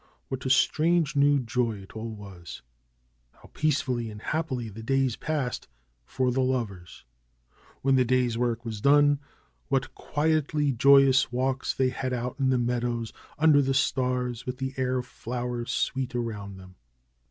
What a strange new joy it all was ! How peacefully and happily the days passed for the lovers ! When the day's work was done, what quietly joyous walks they had out in the meadows, under the stars, with the air flower sweet around them